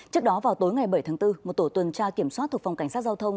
trước đó vào tối ngày bảy tháng bốn một tổ tuần tra kiểm soát thuộc phòng cảnh sát giao thông